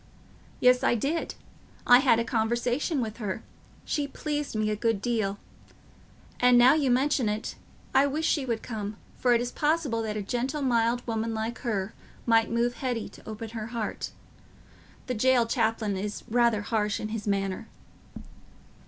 "Yes, I did. I had a conversation with her—she pleased me a good deal. And now you mention it, I wish she would come, for it is possible that a gentle mild woman like her might move Hetty to open her heart. The jail chaplain is rather harsh in his manner."